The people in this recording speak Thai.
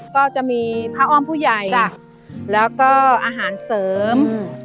ก็จะมีผ้าอ้อมผู้ใหญ่จ้ะแล้วก็อาหารเสริมอืม